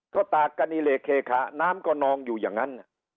ก็ตากกันอิเล็กเคค่ะน้ำก็นองอยู่อย่างนั้น